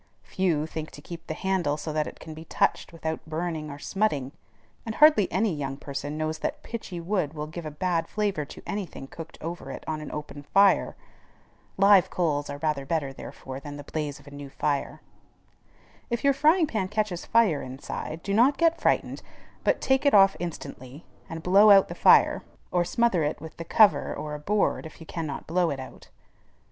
Few think to keep the handle so that it can be touched without burning or smutting; and hardly any young person knows that pitchy wood will give a bad flavor to any thing cooked over it on an open fire. Live coals are rather better, therefore, than the blaze of a new fire. If your frying pan catches fire inside, do not get frightened, but take it off instantly, and blow out the fire, or smother it with the cover or a board if you cannot blow it out.